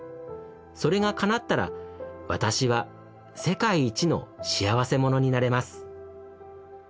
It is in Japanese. それが叶ったら私は世界一の幸せ者になれます」。